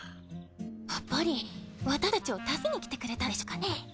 やっぱり私たちを助けに来てくれたんでしょうかね？